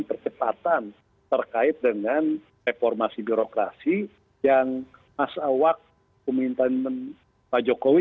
perkepatan terkait dengan reformasi birokrasi yang asal waktu pemerintahan pak jokowi